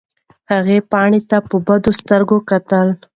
هغې پاڼې ته په بدو سترګو کتل.